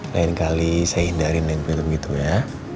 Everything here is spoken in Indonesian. lain kali saya hindarin yang begitu begitu ya